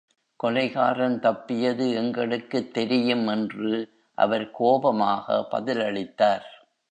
"கொலைகாரன் தப்பியது எங்களுக்குத் தெரியும்," என்று அவர் கோபமாக பதிலளித்தார்.